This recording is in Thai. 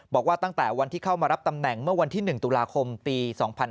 บอกว่าตั้งแต่วันที่เข้ามารับตำแหน่งเมื่อวันที่๑ตุลาคมปี๒๕๕๙